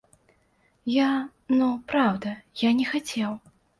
Я, ну, праўда, я не хацеў.